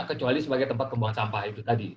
kecuali sebagai tempat pembuangan sampah itu tadi